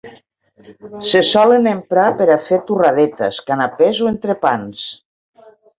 Se solen emprar per a fer torradetes, canapès o entrepans.